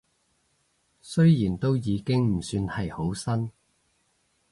雖然都已經唔算係好新